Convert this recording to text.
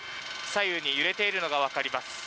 左右に揺れているのが分かります。